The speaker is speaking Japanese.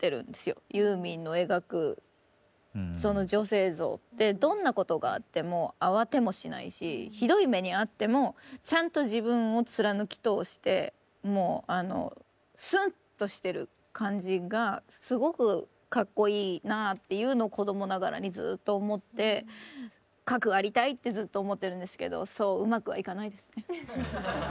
ユーミンの描くその女性像ってどんなことがあっても慌てもしないしひどい目に遭ってもちゃんと自分を貫き通してもうあのスンッとしてる感じがすごくかっこいいなあっていうのを子供ながらにずっと思ってかくありたいってずっと思ってるんですけどそううまくはいかないですね。